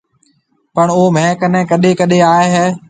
پڻ او مهيَ ڪنيَ ڪڏيَ ڪڏيَ آئي هيَ۔